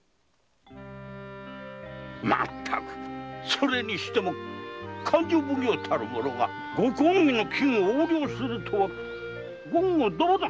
それにしても勘定奉行がご公儀の金を横領するとは言語道断。